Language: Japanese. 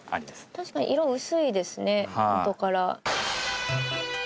確かに色薄いですね元から。